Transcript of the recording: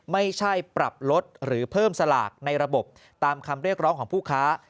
ไม่ใช่ปรับลดหรือเพิ่มสลากในระบบตามคำเรียกร้องของผู้ค้า